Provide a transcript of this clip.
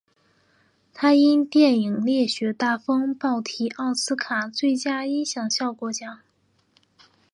他因电影烈血大风暴提名奥斯卡最佳音响效果奖。